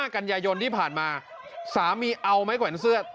๑๕กัญญายนที่ผ่านมาสามีเอาไม้กว่านเสื้อ